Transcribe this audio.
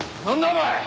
お前！